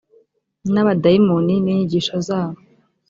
n abadayimoni n inyigisho zabo